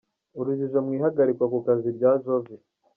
Urujujo mu ihagarikwa ku kazi rya Jovia.